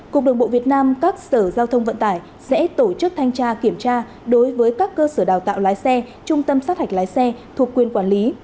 cục đường bộ việt nam các sở giao thông vận tải sẽ tổ chức thanh tra kiểm tra đối với các cơ sở đào tạo lái xe trung tâm sát hạch lái xe thuộc quyền quản lý